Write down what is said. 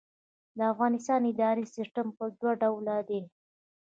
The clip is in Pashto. د افغانستان اداري سیسټم په دوه ډوله دی.